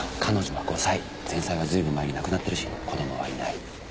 前妻は随分前に亡くなってるし子どもはいない。